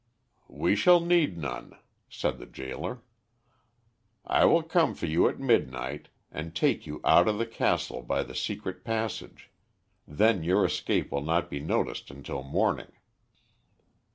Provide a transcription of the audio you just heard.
"We shall need none," said the gaoler. "I will come for you at midnight, and take you out of the castle by the secret passage; then your escape will not be noticed until morning."